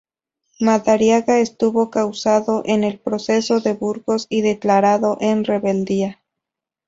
Madariaga estuvo encausado en el proceso de Burgos y declarado en rebeldía.